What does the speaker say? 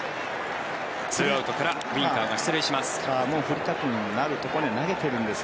２アウトからウィンカーが出塁します。